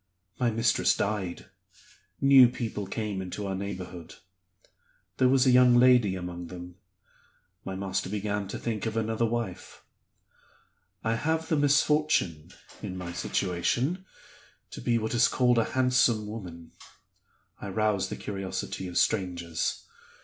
My mistress died. New people came into our neighborhood. There was a young lady among them my master began to think of another wife. I have the misfortune (in my situation) to be what is called a handsome woman; I rouse the curiosity of strangers.